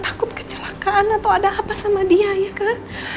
takut kecelakaan atau ada apa sama dia ya kan